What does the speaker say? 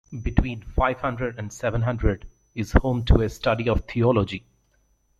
Between five hundred and seven hundred is home to a study of Theology.